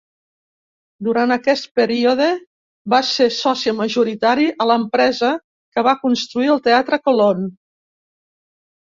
Durant aquest període va ser soci majoritari a l'empresa que va construir el Teatre Colón.